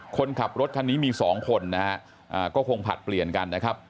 คนขับรถคันนี้มี๒คนนะฮะก็คงผลัดเปลี่ยนกันนะครับ